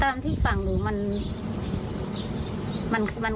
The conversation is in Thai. ตามที่ฟังหนูมัน